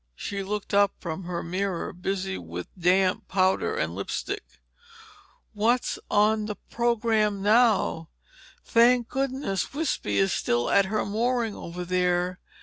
she looked up from her mirror, busy with damp powder and lipstick. "What's on the program now? Thank goodness Wispy is still at her mooring over there.